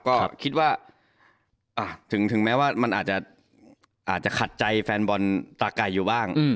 ก็คิดว่าถึงแม้ว่ามันอาจจะขัดใจแฟนบอลตาไก่อยู่บ้าง